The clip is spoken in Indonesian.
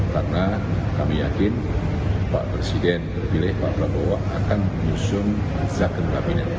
karena kami yakin pak presiden terpilih pak prabowo akan menyusun zaken kabinet